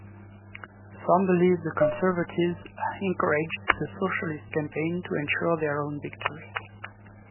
Some believe the Conservatives encouraged the Socialist campaign to ensure their own victory.